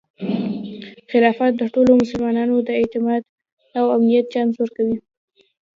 خلافت د ټولو مسلمانانو د اعتماد او امنیت چانس ورکوي.